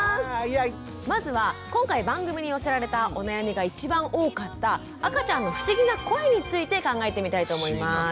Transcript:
まずは今回番組に寄せられたお悩みが一番多かった赤ちゃんの不思議な声について考えてみたいと思います。